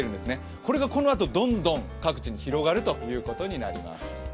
これがこのあとどんどん各地に広がるということになってきます。